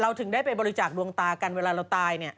เราถึงได้ไปบริจาคดวงตากันเวลาเราตาย